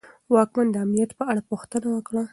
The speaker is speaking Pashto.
واکمن د امنیت په اړه پوښتنه وکړه.